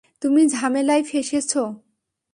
তুমি ঝামেলায় ফেঁসেছো?